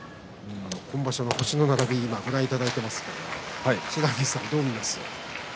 今場所の星の並びをご覧いただいていますが不知火さんはどう見ますか？